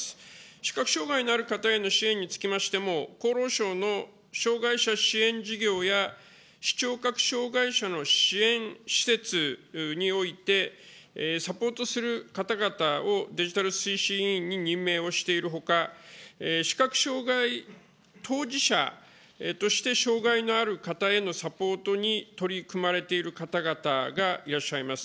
視覚障害のある方への支援につきましても、厚労省の障害者支援事業や、視聴覚障害者の支援施設において、サポートする方々をデジタル推進委員に任命をしているほか、視覚障害当事者として障害のある方へのサポートに取り組まれている方々がいらっしゃいます。